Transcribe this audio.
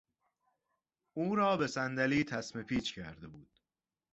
او را به صندلی تسمه پیچ کرده بودند.